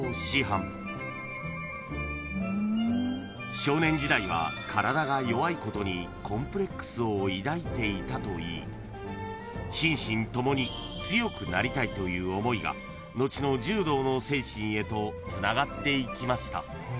［少年時代は体が弱いことにコンプレックスを抱いていたといい心身ともに強くなりたいという思いが後の柔道の精神へとつながっていきました］